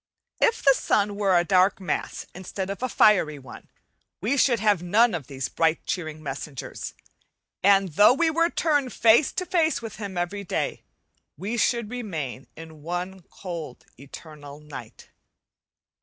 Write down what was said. If the sun were a dark mass instead of a fiery one we should have none of these bright cheering messengers, and though we were turned face to face with him every day we should remain in one cold eternal night.